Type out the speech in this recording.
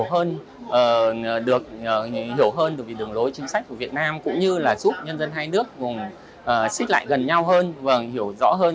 hiểu hơn về đường lối chính sách của việt nam cũng như giúp nhân dân hai nước xích lại gần nhau hơn hiểu rõ hơn